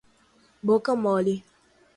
Boca-mole